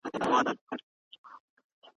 فرد په يوازيتوب کي ژوند کاوه.